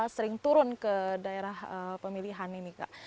sering turun ke daerah pemilihan ini kak